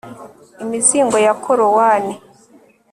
Imizingo ya Korowani